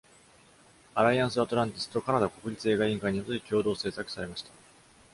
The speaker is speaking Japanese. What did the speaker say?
アライアンスアトランティスとカナダ国立映画委員会によって共同制作されました。